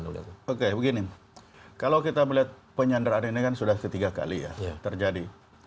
oke begini kalau kita melihat penyanderaan ini kan sudah ketiga kali ya terjadi